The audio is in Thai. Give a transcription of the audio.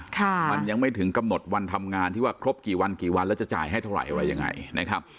มันยังไม่ถึงกำหนดวันทำงานที่ว่าครบกี่วันกี่วันแล้วจะจ่ายให้เท่าไหร่อะไรยังไงนะครับ